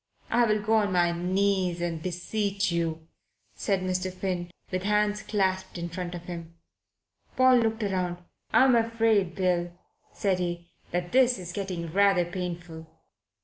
I will go on my knees and beseech you," said Mr. Finn, with hands clasped in front of him. Paul looked round. "I'm afraid, Bill," said he, "that this is getting rather painful."